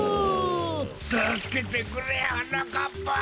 たすけてくれはなかっぱ！